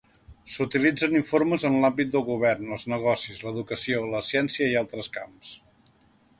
S'utilitzen informes en l'àmbit del govern, els negocis, l'educació, la ciència i altres camps.